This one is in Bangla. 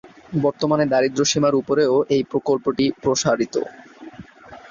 বর্তমানে দারিদ্র্য সীমার উপরেও এই প্রকল্পটি প্রসারিত।